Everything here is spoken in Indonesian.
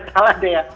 salah ada ya